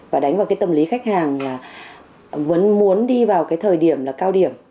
và đánh vào cái tâm lý khách hàng là vẫn muốn đi vào cái thời điểm cao điểm